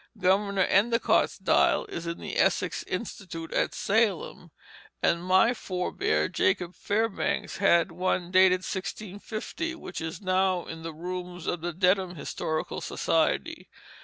Governor Endicott's dial is in the Essex Institute, at Salem; and my forbear, Jacob Fairbanks, had one dated 1650, which is now in the rooms of the Dedham Historical Society.